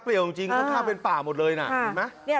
เปลี่ยวจริงต้องข้ามเป็นป่าหมดเลยนะ